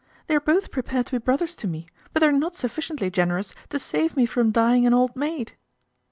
They are both prepared to be brothers to me ; but they're not sufficiently generous to save me from dying an old maid."